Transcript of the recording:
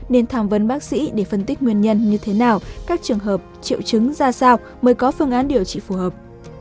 nên tham vấn bác sĩ để phân tích nguyên nhân như thế nào các trường hợp triệu chứng ra sao mới có phương án điều trị phù hợp